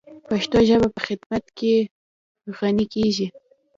پښتو ژبه په خدمت سره غَنِی کیږی.